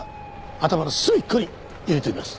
頭の隅っこに入れておきます。